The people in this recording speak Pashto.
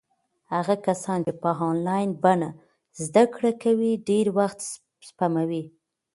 هغه کسان چې په انلاین بڼه زده کړې کوي ډېر وخت سپموي.